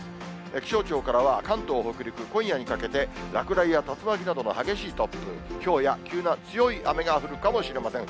気象庁からは、関東、北陸、今夜にかけて、落雷や竜巻などの激しい突風、ひょうや急な強い雨が降るかもしれません。